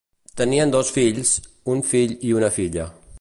Tenien dos fills, un fill i una filla.